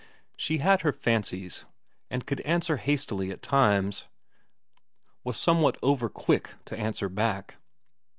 She had her fancies, and could answer hastily at times; was somewhat over quick to answer back.